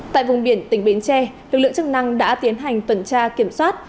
tại vùng biển tỉnh bến tre lực lượng chức năng đã tiến hành tuần tra kiểm soát